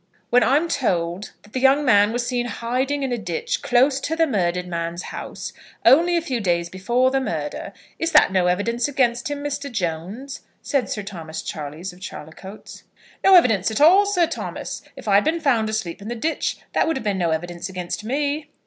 "When I'm told that the young man was seen hiding in a ditch close to the murdered man's house, only a few days before the murder, is that no evidence against him, Mr. Jones?" said Sir Thomas Charleys, of Charlicoats. "No evidence at all, Sir Thomas. If I had been found asleep in the ditch, that would have been no evidence against me."